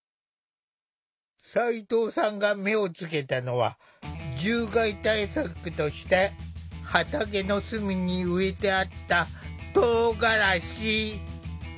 齋藤さんが目をつけたのは獣害対策として畑の隅に植えてあったとうがらし。